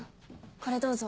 これどうぞ。